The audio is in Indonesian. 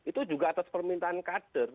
itu juga atas permintaan kader